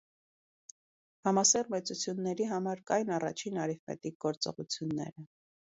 Համասեռ մեծությունների համար կային առաջին արիֆմետիկ գործողությունները։